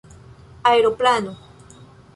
aeroplano